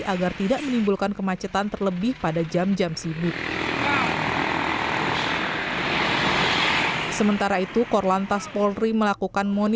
agar tidak menimbulkan kemacetan terlebih pada jalan